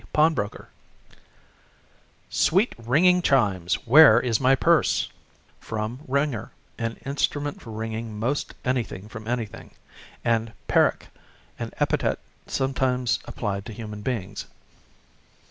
Pawnbroker "Sweet, ringing chimes, where is my purse!" (From wringer, an instrument for wringing most anything from anything, and Perec, an epithet sometimes apphed to human beings).